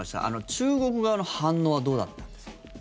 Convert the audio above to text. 中国側の反応はどうだったんですか？